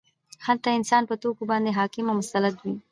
هلته انسان په توکو باندې حاکم او مسلط وي